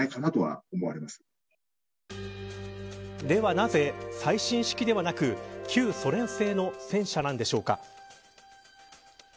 では、なぜ最新式ではなく旧ソ連製の戦車なのでしょうか。